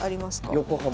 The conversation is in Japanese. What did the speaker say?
横浜。